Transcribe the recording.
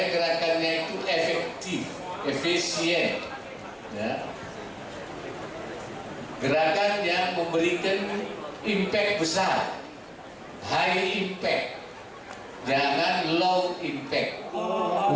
gerakan yang memberikan impact besar high impact jangan low impact